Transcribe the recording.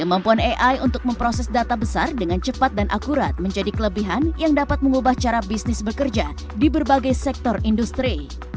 kemampuan ai untuk memproses data besar dengan cepat dan akurat menjadi kelebihan yang dapat mengubah cara bisnis bekerja di berbagai sektor industri